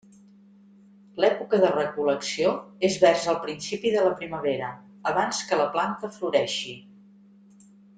L'època de recol·lecció és vers el principi de la primavera, abans que la planta floreixi.